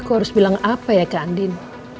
aku harus bilang apa ya kak andin